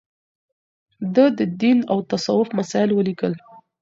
ده د دين او تصوف مسايل وليکل